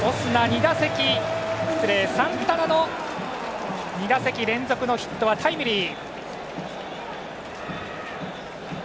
サンタナの２打席連続のヒットはタイムリー。